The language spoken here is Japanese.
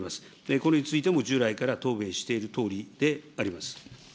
これについても従来から答弁しているとおりであります。